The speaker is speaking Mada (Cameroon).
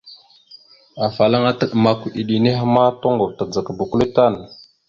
Afalaŋa taɗəmak eɗe henne ma, toŋgov tadzagaba kʉle tan.